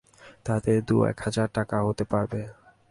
তাতে দু এক হাজার টাকা হতে পারবে।